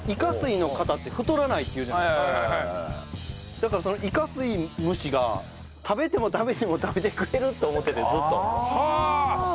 だからその胃下垂虫が食べても食べても食べてくれると思っててずっと。